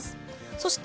そして、